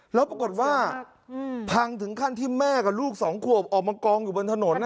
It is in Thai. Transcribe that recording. แล้วปรากฏว่าพังถึงขั้นที่แม่กับลูกสองขวบออกมากองอยู่บนถนน